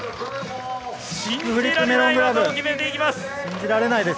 信じられない技を決めていきます。